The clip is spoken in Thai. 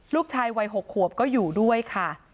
ลูกชายวัย๖ขวบก็อยู่ด้วยค่ะ